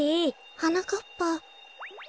はなかっぱ。